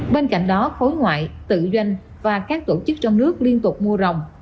bên cạnh đó khối ngoại tự doanh và các tổ chức trong nước liên tục mua rồng